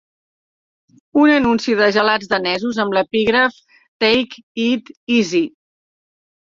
Un anunci de gelats danesos amb l'epígraf, "Take it Is'i".